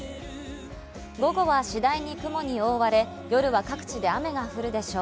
午後は次第に雲に覆われ、夜は各地で雨が降るでしょう。